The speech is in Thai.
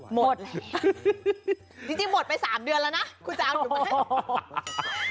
หมดแล้วจริงหมดไป๓เดือนแล้วนะคุณจะเอาหนูมาให้หมด